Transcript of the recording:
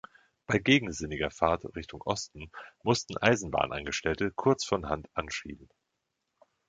Bei gegensinniger Fahrt Richtung Osten mussten Eisenbahnangestellte kurz von Hand anschieben.